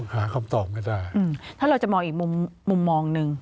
หาคำตอบก็ได้อืมถ้าเราจะมองอีกมุมมุมมองหนึ่ง